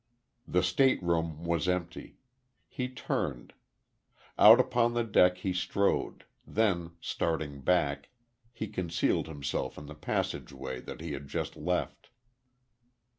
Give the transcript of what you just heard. The stateroom was empty. He turned. Out upon the deck he strode; then, starting back, he concealed himself in the passageway that he had just left.